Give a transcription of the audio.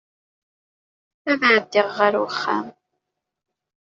Ad ɛeddiɣ ar wexxam.